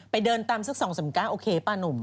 เดินตามสัก๒๓๙โอเคป้านุ่ม